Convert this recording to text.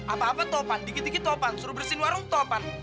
apa apa topan dikit dikit topan suruh bersihin warung topan